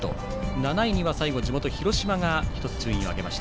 ７位には地元・広島が１つ、順位を上げました。